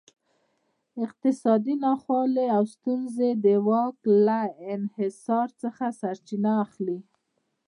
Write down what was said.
اقتصادي ناخوالې او ستونزې د واک له انحصار څخه سرچینه اخلي.